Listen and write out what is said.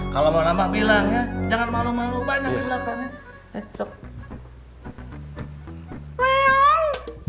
kalau mau nambah bilang ya jangan malu malu banyak di belakangnya